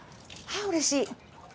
はあうれしい。